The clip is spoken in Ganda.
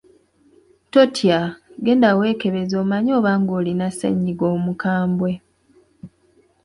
Totya, genda weekebeze omanye oba ng’olina ssennyiga omukambwe.